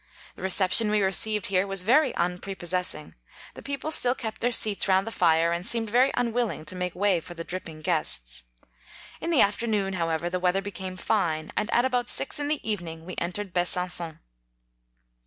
The reception we received here was very unprepossessing, the people still kept their seats round the fire, and seemed very unwilling to make way for the dripping guests. In the afternoon, however, the weather became fine, and at about six in the evening we entered Besancjon.